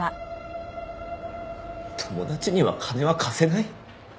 「友達には金は貸せない」？